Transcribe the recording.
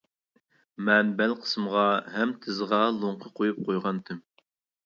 مەن بەل قىسمىغا ھەم تىزىغا لوڭقا قويۇپ قويغانتىم.